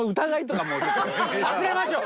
忘れましょう。